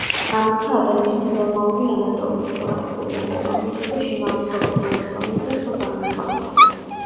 გამოსცა ადამიანის ნორმალური ანატომიის, პლასტიკური ანატომიისა და შინაურ ცხოველთა ანატომიის და სხვა სახელმძღვანელო.